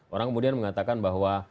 orang kemudian mengatakan bahwa